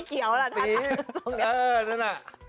ไม่เขียวล่ะท่านนั่นส่วนเนี่ย